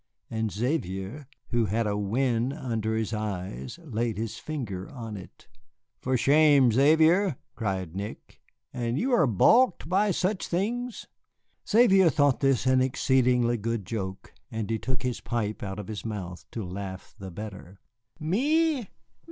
And Xavier, who had a wen under his eye, laid his finger on it. "For shame, Xavier," cried Nick; "and you are balked by such things?" Xavier thought this an exceedingly good joke, and he took his pipe out of his mouth to laugh the better. "Me?